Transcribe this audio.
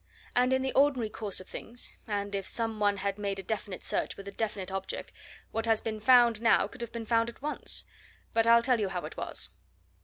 And in the ordinary course of things and if some one had made a definite search with a definite object what has been found now could have been found at once. But I'll tell you how it was.